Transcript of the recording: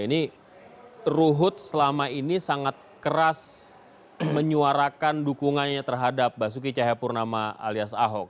ini ruhut selama ini sangat keras menyuarakan dukungannya terhadap basuki cahayapurnama alias ahok